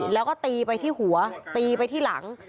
แล้วก็ตีไปที่หัวตีไปที่หลัง